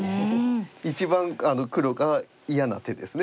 一番黒が嫌な手ですね